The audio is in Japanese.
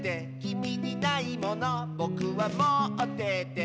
「きみにないものぼくはもってて」